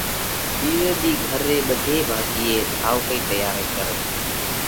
ٻِيزئہ ۮِي گھر ري ٻڌي ڀاتِيئي ٺائوڪئِي تيئارئِي ڪرئِي